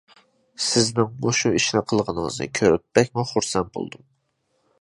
سىزنىڭ مۇشۇ ئىشنى قىلغىنىڭىزنى كۆرۈپ بەكمۇ خۇرسەن بولدۇم.